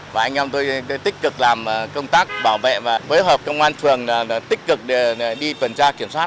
và anh em tôi tích cực làm công tác bảo vệ và bối hợp công an phường tích cực đi tuần tra kiểm soát